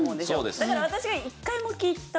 だから私が。